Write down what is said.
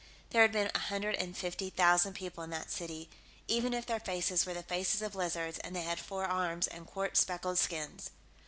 There had been a hundred and fifty thousand people in that city, even if their faces were the faces of lizards and they had four arms and quartz speckled skins.